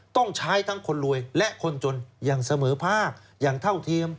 ต้องใช้ทั้งคนรวยและคนจนอย่างเสมอภาคอย่างเท่าเทียม